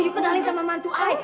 you kenalin sama mantu i